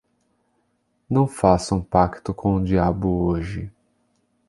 Não faça um pacto com o diabo hoje